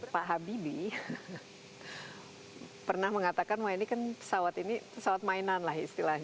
pak habibie pernah mengatakan ini kan pesawat mainan lah istilahnya